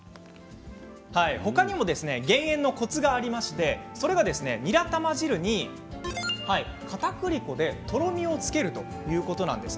他にも減塩のコツがありましてそれが、にら玉汁にかたくり粉でとろみをつけるということなんです。